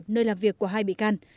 nơi làm việc của hai bị can